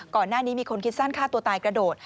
ก่อนหน้านี้มีคนคิดสั้นฆ่าตัวตายกระโดด